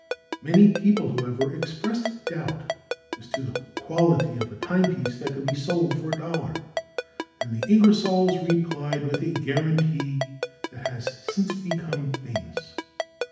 Many people, however, expressed doubt as to the quality of a timepiece that could be sold for a dollar, and the Ingersolls replied with a guarantee that has since become famous.